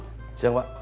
selamat siang pak